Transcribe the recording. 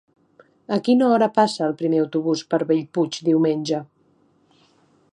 A quina hora passa el primer autobús per Bellpuig diumenge?